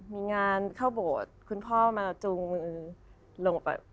มีงานเข้าโบสถ์คุณพ่อมาแล้วจูงลงไป